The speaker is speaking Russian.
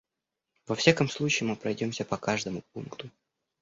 Во всяком случае, мы пройдемся по каждому пункту.